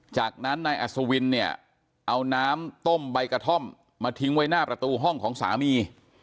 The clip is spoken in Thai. จากนั้นนายอัศวินเนี่ยเอาน้ำต้มใบกระท่อมมาทิ้งไว้หน้าประตูห้องของสามี